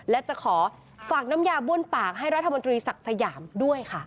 และจะขอฝากน้ำยาบ้วนปากให้รัฐมนตรีศักดิ์สยามด้วยค่ะ